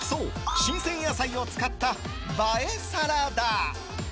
新鮮野菜を使った映えサラダ。